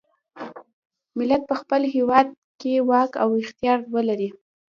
ملت په خپل هیواد کې واک او اختیار ولري.